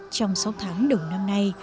trong sáu tháng đồng năm nay